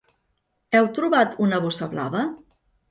Heu trobat una bossa blava?